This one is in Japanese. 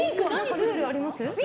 ルールありますか？